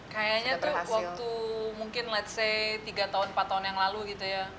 kayaknya tuh waktu mungkin let's say tiga tahun empat tahun yang lalu gitu ya